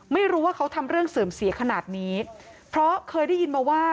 ไม่รู้ว่าเขาทำเรื่องเสื่อมเสียขนาดนี้เพราะเคยได้ยินมาว่า